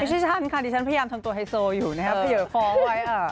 ฉันค่ะดิฉันพยายามทำตัวไฮโซอยู่นะครับเผลอค้อไว้